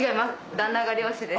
旦那が漁師です。